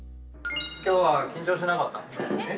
きょうは緊張しなかった？